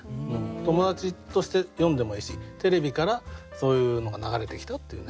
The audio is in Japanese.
友達として読んでもいいしテレビからそういうのが流れてきたっていう。